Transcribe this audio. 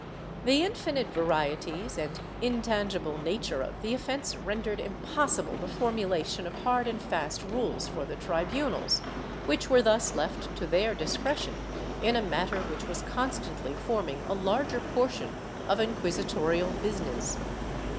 The infinite varieties and intangible nature of the offence rendered impossible the formulation of hard and fast rules for the tribunals, which were thus left to their discretion in a matter which was constantly forming a larger portion of inquisitorial business.